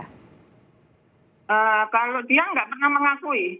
kalau dia nggak pernah mengakui